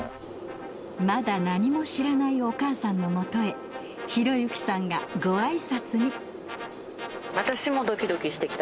まだ何も知らないお母さんの元へ宏幸さんがご挨拶に。